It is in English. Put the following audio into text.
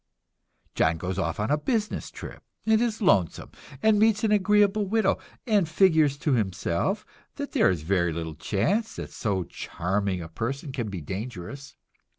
John goes off on a business trip, and is lonesome, and meets an agreeable widow, and figures to himself that there is very little chance that so charming a person can be dangerous.